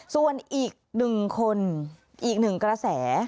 ส่วนอีก๑คนอีกหนึ่งกระแส